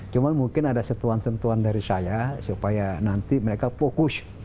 cuma mungkin ada setuan sentuhan dari saya supaya nanti mereka fokus